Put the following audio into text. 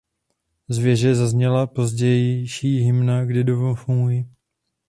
Z věže zazněla pozdější hymna "Kde domov můj".